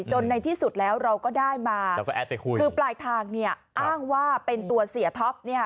จนในที่สุดแล้วเราก็ได้มาคือปลายทางเนี่ยอ้างว่าเป็นตัวเสียท็อปเนี่ย